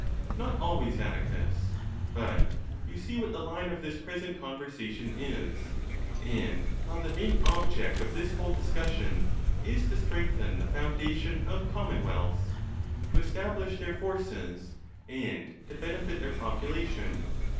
—N ot always, Atticus. But you see what the line of this present conversation is, and how the main object of this whole discussion is to strengthen the foundation of com 'monwealths, to establish their forces, and to benefit their 'population.